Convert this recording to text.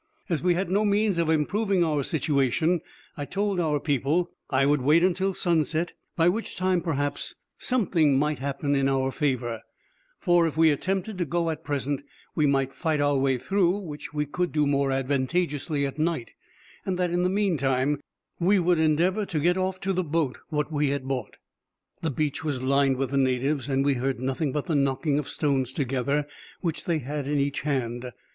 As we had no means of improving our situation, I told our people I would wait till sunset, by which time, perhaps, something might happen in our favor; for if we attempted to go at present, we must fight our way through, which we could do more advantageously at night; and that, in the meantime, we would endeavor to get off to the boat what we had bought. The beach was lined with the natives, and we heard nothing but the knocking of stones together, which they had in each hand.